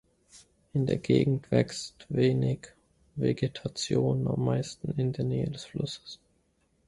In der Gegend wächst wenig Vegetation, am meisten in der Nähe des Flusses.